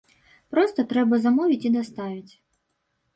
Проста трэба замовіць і даставіць.